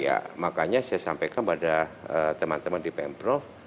ya makanya saya sampaikan kepada teman teman di pm prof